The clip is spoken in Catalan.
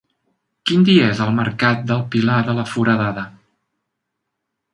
Quin dia és el mercat del Pilar de la Foradada?